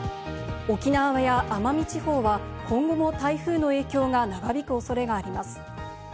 沖縄や奄美地方は今後も台風の影響が長引く恐れがあります。